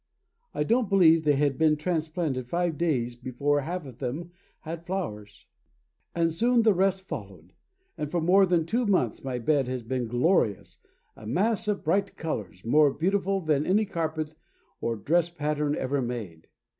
I don't believe they had been transplanted five days before half of them had flowers, and soon the rest followed, and for more than two months my bed has been glorious a mass of bright colors more beautiful than any carpet or dress pattern ever made.